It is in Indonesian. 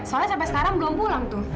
soalnya sampai sekarang belum pulang tuh